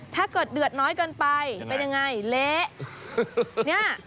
ถ้าเกิดเดือดน้อยเกินไปเป็นยังไงเละ